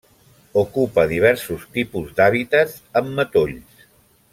Ocupa diversos tipus d'hàbitats amb matolls.